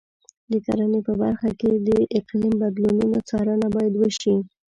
د کرنې په برخه کې د اقلیم بدلونونو څارنه باید وشي.